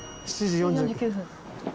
７時４９分。